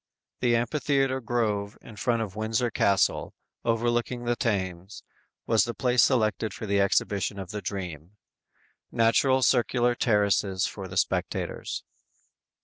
The amphitheater grove in front of Windsor Castle, overlooking the Thames, was the place selected for the exhibition of the "Dream." Natural circular terraces for the spectators.